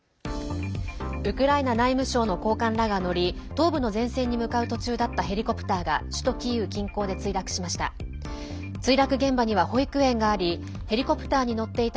ウクライナ内務省の高官らが乗り東部の前線に向かう途中だったヘリコプターが首都キーウ近郊で墜落しました。